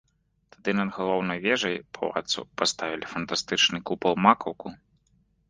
Тады над галоўнай вежай палацу паставілі фантастычны купал-макаўку.